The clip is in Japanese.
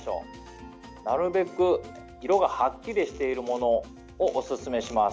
なるべく色がはっきりしているものをおすすめします。